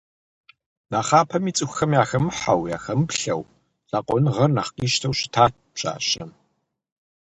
Нэхъапэми цӏыхухэм яхэмыхьэу, яхэмыплъэу, закъуэныгъэр нэхъ къищтэу щытат пщащэм.